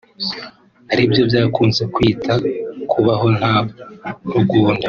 ari byo bakunze kwita kubaho nta ntugunda